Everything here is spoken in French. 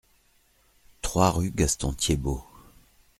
trois rue Gaston Thiebaut